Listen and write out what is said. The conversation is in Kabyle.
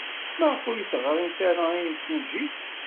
Maɣef ur d-teɣrimt ara i yimsujji?